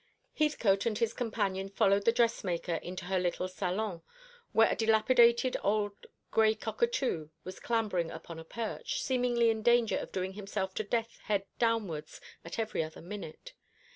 Heathcote and his companion followed the dressmaker into her little salon, where a dilapidated old gray cockatoo was clambering upon a perch, seemingly in danger of doing himself to death head downwards at every other minute.